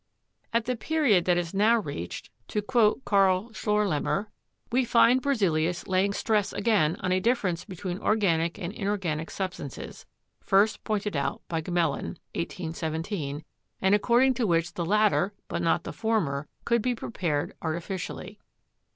At the period that is now reached, to quote Carl Schorlemmer, "we find Berzelius laying stress again on a difference between organic and inorganic substances, first pointed out by Gmelin (1817), and according to which the latter, but not the former, could be prepared arti ficially.